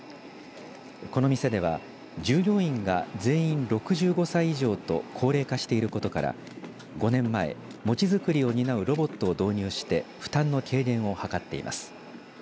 この店では従業員が全員６５歳以上と高齢化していることから５年前、餅作りを担うロボットを導入して負担の軽減を図っています。